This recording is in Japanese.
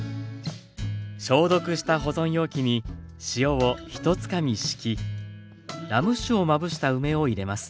消毒した保存容器に塩を１つかみ敷きラム酒をまぶした梅を入れます。